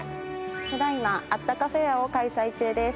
ただ今あったかフェアを開催中です。